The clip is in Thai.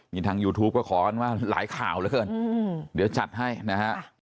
นี่ทางยูทูปก็ขอกันว่าหลายข่าวเหลือเกินเดี๋ยวจัดให้นะฮะ